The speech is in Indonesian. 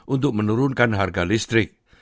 untuk menurunkan harga listrik